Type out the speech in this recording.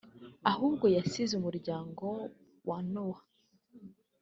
ahubwo yasize umuryango wa Nowa